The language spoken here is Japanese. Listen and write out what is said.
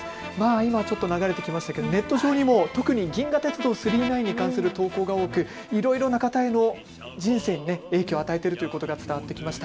今ちょっと流れてきましたがネット上でも特に銀河鉄道９９９に関する投稿が多くいろいろな方の人生に影響を与えているということが分かってきました。